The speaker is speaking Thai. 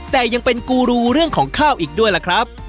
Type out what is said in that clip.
แต่ยังเป็นกูรูเรื่องของข้าวอีกด้วยล่ะครับ